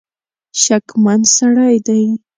شکمن سړی دی.